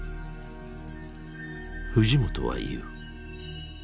藤本は言う。